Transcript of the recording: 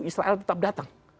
israel tetap datang